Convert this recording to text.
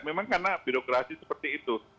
memang karena birokrasi seperti itu